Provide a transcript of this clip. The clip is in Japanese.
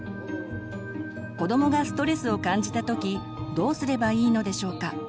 子どもがストレスを感じた時どうすればいいのでしょうか。